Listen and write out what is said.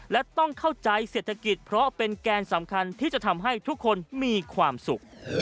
และต้องเข้าใจเศรษฐกิจเพราะเป็นแกนสำคัญที่จะทำให้ทุกคนมีความสุข